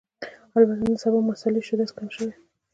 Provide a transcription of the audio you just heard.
البته نن سبا مسألې شدت کم شوی